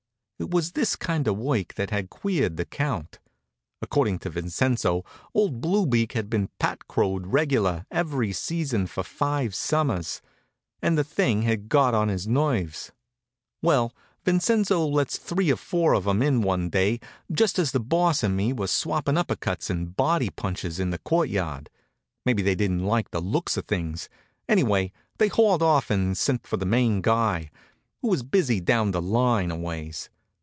It was this kind of work that had queered the count. According to Vincenzo, old Blue Beak had been Pat Crowed regular every season for five summers, and the thing had got on his nerves. Well, Vincenzo lets three or four of 'em in one day just as the Boss and me were swappin' uppercuts and body punches in the courtyard. Maybe they didn't like the looks of things. Anyway, they hauled off and sent for the main guy, who was busy down the line a ways.